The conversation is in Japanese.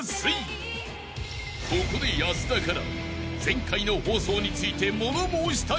［ここで保田から］